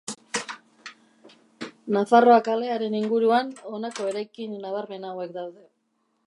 Nafarroa kalearen inguruan honako eraikin nabarmen hauek daude.